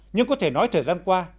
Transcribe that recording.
nhưng có thể nói thời gian qua